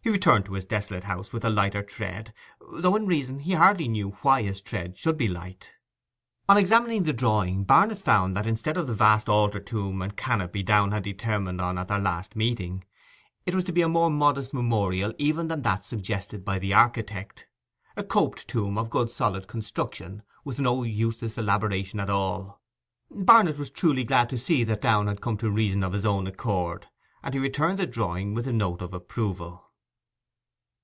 He returned to his desolate house with a lighter tread; though in reason he hardly knew why his tread should be light. On examining the drawing, Barnet found that, instead of the vast altar tomb and canopy Downe had determined on at their last meeting, it was to be a more modest memorial even than had been suggested by the architect; a coped tomb of good solid construction, with no useless elaboration at all. Barnet was truly glad to see that Downe had come to reason of his own accord; and he returned the drawing with a note of approval.